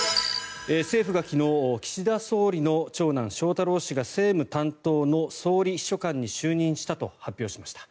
政府が昨日岸田総理の長男・翔太郎氏が政務担当の総理秘書官に就任したと発表しました。